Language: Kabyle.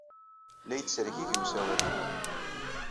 La yettergigi usawal-inu.